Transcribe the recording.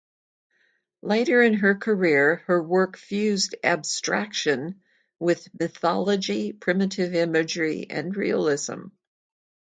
Later in her career, her work fused abstraction with mythology, primitive imagery, and realism.